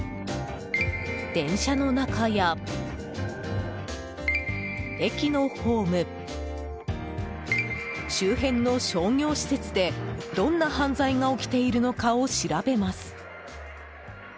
電車の中や、駅のホーム周辺の商業施設でどんな犯罪が起きているのかを調べます。